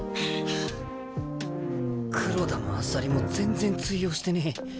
黒田も朝利も全然通用してねえ。